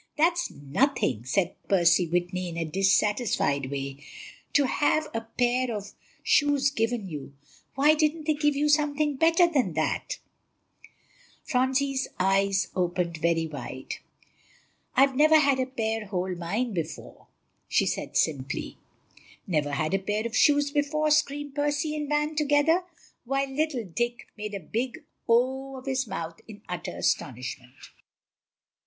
"That's nothing," said Percy Whitney in a dissatisfied way, "to have a pair of shoes given you. Why didn't they give you something better than that?" Phronsie opened her eyes very wide. "I never had a pair whole mine before," she said simply. "Never had a pair of shoes before," screamed Percy and Van together, while little Dick made a big O of his mouth in utter astonishment.